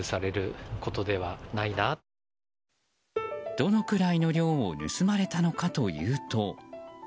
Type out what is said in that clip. どのくらいの量を盗まれたのかというと。